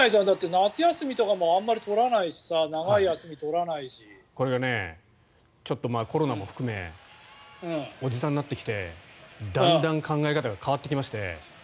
夏休みとかもあまり取らないしさちょっとコロナも含めおじさんになってきてだんだん考え方が変わってきまして。